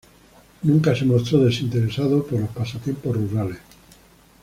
Nunca se mostró desinteresado por los pasatiempos rurales.